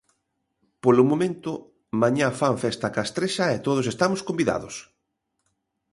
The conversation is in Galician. Polo momento, mañá fan festa castrexa e todos estamos convidados.